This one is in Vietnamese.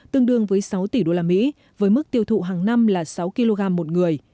tương đương với sáu tỷ đô la mỹ với mức tiêu thụ hàng năm là sáu kg một người